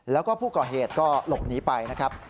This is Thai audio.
แล้วก็ผู้ก่อเหตุก็หลบหนีไปนะครับ